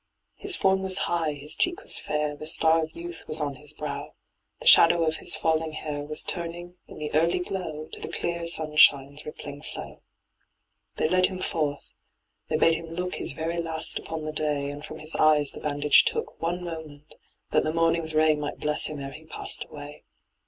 His form was high, his cheek was fair, The star of youth was on his brow, The shadow of his falling hair Was turning, in the early glow. To the clear sunshine's rippling flow. They led him forth. They bade him look His very last upon the day, And from his eyes the bandage took One moment, that the morning's ray Might bless him ere he passed away.